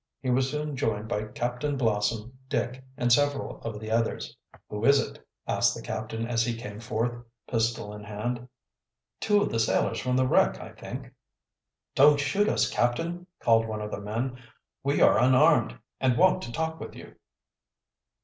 He was soon joined by Captain Blossom, Dick, and several of the others. "Who is it?" asked the captain, as he came forth, pistol in hand. "Two of the sailors from the wreck, I think." "Don't shoot us, captain," called one of the men. "We are unarmed and want to talk with you."